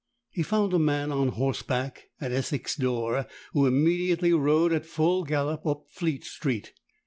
He found a man on horseback at Essex door, who immediately rode at full gallop up Fleet Street.